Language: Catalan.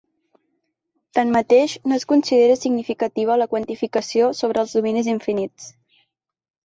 Tanmateix, no es considera significativa la quantificació sobre els dominis infinits.